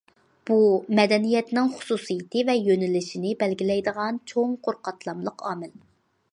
بۇ، مەدەنىيەتنىڭ خۇسۇسىيىتى ۋە يۆنىلىشىنى بەلگىلەيدىغان چوڭقۇر قاتلاملىق ئامىل.